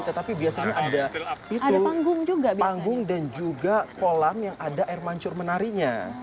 tetapi biasanya ada panggung dan juga kolam yang ada air mancur menarinya